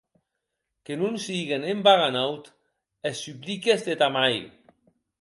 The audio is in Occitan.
Que non siguen en vaganaut es supliques de ta mair.